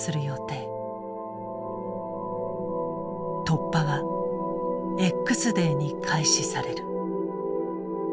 突破はＸデーに開始される。